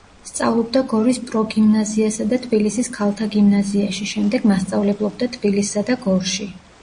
სწავლობდა გორის პროგიმნაზიასა და თბილისის ქალთა გიმნაზიაში, შემდეგ მასწავლებლობდა თბილისსა და გორში.